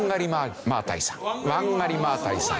ワンガリ・マータイさん。